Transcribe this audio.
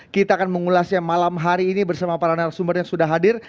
kita akan mengulasnya malam hari ini bersama para narasumber yang sudah hadir